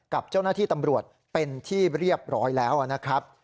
กับเจ้าหน้าที่ตำรวจเป็นที่เรียบร้อยแล้วนะครับ